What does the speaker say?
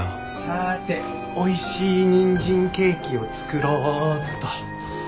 さておいしいにんじんケーキを作ろうっと。